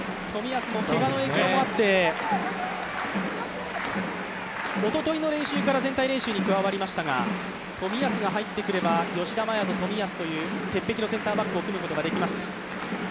冨安もけがの影響もあっておとといの練習から全体練習に加わりましたが、冨安が入ってくれば吉田麻也と冨安という鉄壁のセンターバックを組むことができます。